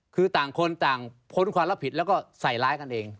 คือทางป้นความรับผิดแล้วก็ใส่ล้ายกันเอง